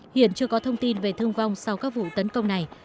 hiện chưa có thông tin về thương vong sau các vụ tấn công này